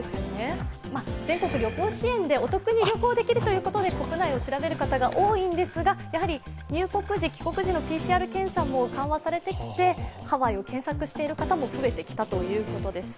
全国旅行支援でお得に旅行できるということで国内を調べる方が多いんですが、やはり入国時、帰国時のＰＣＲ検査も緩和されてきてハワイを検索している方も増えてきたということです。